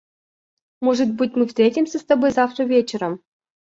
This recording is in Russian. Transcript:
Может быть, мы встретимся с тобой завтра вечером?